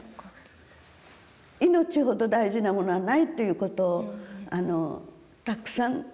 命ほど大事なものはないっていうことをたくさん。